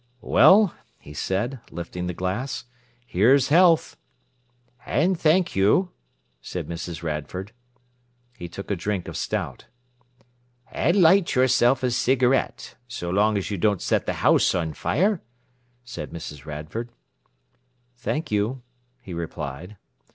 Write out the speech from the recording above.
"Well," he said, lifting the glass, "here's health!" "And thank you," said Mrs. Radford. He took a drink of stout. "And light yourself a cigarette, so long as you don't set the house on fire," said Mrs. Radford. "Thank you," he replied.